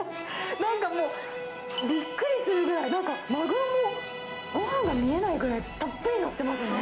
なんかもう、びっくりするぐらい、なんか、マグロもごはんが見えないぐらい、たっぷり載ってますね。